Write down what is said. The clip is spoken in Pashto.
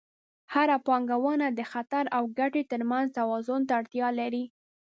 هره پانګونه د خطر او ګټې ترمنځ توازن ته اړتیا لري.